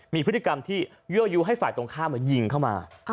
มีพฤติกรรมที่เยื่อยูให้ฝ่ายตรงข้ามยิงเข้ามา